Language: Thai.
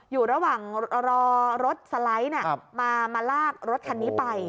อยู่ระหว่างรอรถสไลด์มาลากรถคันนี้ไป